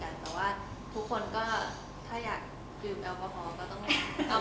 แต่ว่าทุกคนก็ถ้าอยากดื่มแอลกอฮอลก็ต้อง